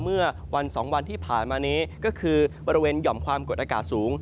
เมื่อวัน๒วันที่ผ่านมานี้ก็คือบริเวณหย่อมความกดอากาศสูง